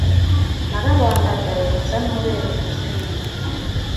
narabandagaye, nsa n'ureba ikuzimu